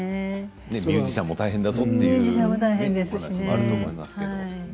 ミュージシャンも大変だなというのがあると思いますけれども。